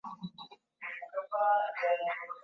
ndio nimeagiza sasa nafikiri nikivipata